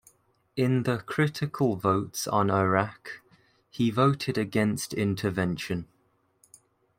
In the critical votes on Iraq, he voted against intervention.